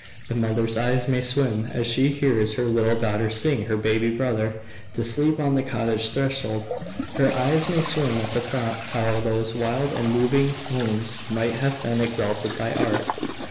The mother's eyes may swim as she hears her little daughter sing her baby brother to sleep on the cottage threshold, her eyes may swim at the thought how those wild and moving tones might have been exalted by art.